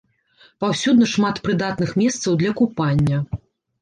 Паўсюдна шмат прыдатных месцаў для купання.